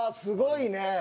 すごいね！